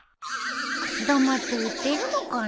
くす玉って売ってるのかな？